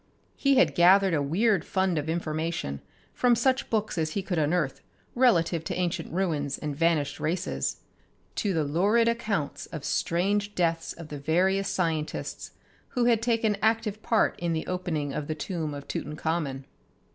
He had gathered a weird fund of information from such books as he could unearth relative to ancient ruins and vanished races, to the lurid accounts of strange deaths of the various scientists who had taken active part in the opening of the tomb of Tutankhamen.